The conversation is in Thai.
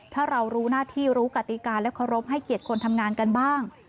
ถ้าเรารู้หน้าที่รู้กติกาและเคารพให้เกียรติคนทำงานกันบ้าง